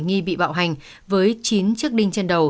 nghi bị bạo hành với chín chiếc đinh trên đầu